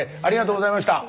ありがとうございます。